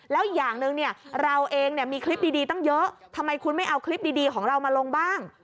แล้วอย่างหนึ่งเนี่ยเราเองเนี่ยมีคลิปดีตั้งเยอะทำไมคุณไม่เอาคลิปดีของเรามาลงบ้าง